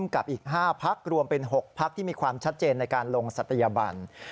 กับอีก๕พักรวมเป็น๖พักที่มีความชัดเจนในการลงศัตยบัน